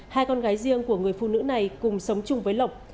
hai con gái riêng của người phụ nữ này cùng sống chung với lộc